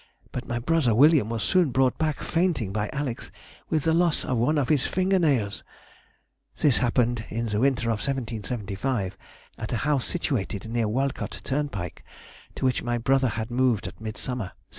But my brother William was soon brought back fainting by Alex with the loss of one of his finger nails. This happened in the winter of 1775, at a house situated near Walcot turnpike, to which my brother had moved at midsummer, 1774.